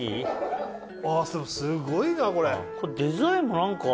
あぁすごいなこれ。